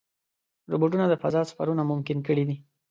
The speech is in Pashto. روبوټونه د فضا سفرونه ممکن کړي دي.